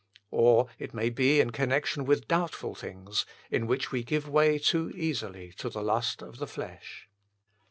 Or it may be in connection with doubtful things, in which we give way too easily to the lust of the flesh.